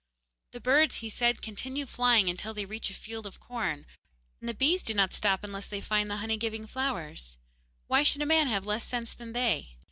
'The birds,' he said, 'continue flying until they reach a field of corn, and the bees do not stop unless they find the honey giving flowers, and why should a man have less sense than they?